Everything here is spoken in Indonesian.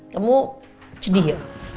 kamu sedih ya